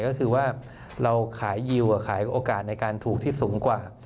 ก็คือว่าเราขายดิวขายโอกาสในการถูกที่สูงกว่า